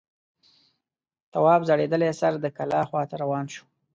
تواب ځړېدلی سر د کلا خواته روان شو.